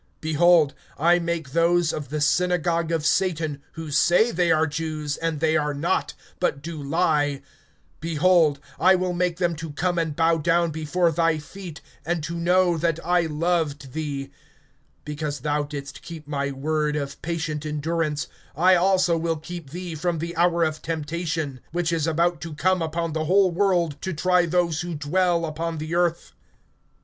(9)Behold, I make those of the synagogue of Satan, who say they are Jews, and they are not, but do lie, behold, I will make them to come and bow down before thy feet, and to know that I loved thee. (10)Because thou didst keep my word of patient endurance, I also will keep thee from the hour of temptation, which is about to come upon the whole world, to try those who dwell upon the earth.